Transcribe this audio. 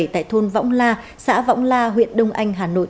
tại thôn võng hà nội